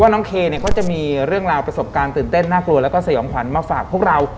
น้องเคเนี่ยเขาจะมีเรื่องราวประสบการณ์ตื่นเต้นน่ากลัวแล้วก็สยองขวัญมาฝากพวกเรา